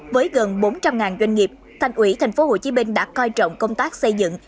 với gần bốn trăm linh doanh nghiệp thành ủy tp hcm đã coi trọng công tác xây dựng